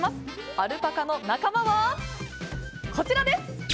アルパカの仲間は、こちらです。